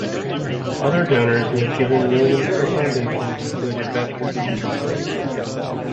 Other donors who have given millions to the Foundation include investor Peter Thiel.